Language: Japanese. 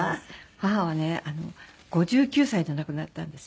母はね５９歳で亡くなったんですよ。